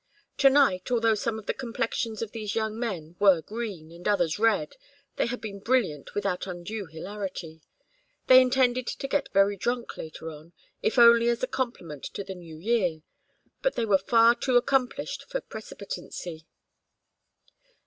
To night, although some of the complexions of these young men were green, and others red, they had been brilliant without undue hilarity. They intended to get very drunk later on if only as a compliment to the New Year but they were far too accomplished for precipitancy.